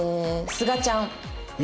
すがちゃん？